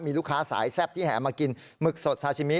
มีลูกค้าสายแซ่บที่แห่มากินหมึกสดซาชิมิ